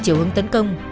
chiều hướng tấn công